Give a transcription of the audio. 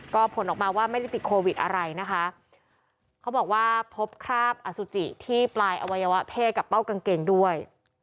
ก็ผลออกมาว่าไม่ได้ติดโควิดอะไรนะคะเขาบอกว่าพบคราบอสุจิที่ปลายอวัยวะเพศกับเป้ากางเกงด้วย